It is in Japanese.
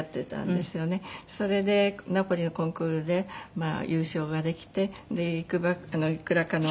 それでナポリのコンクールで優勝ができていくらかの。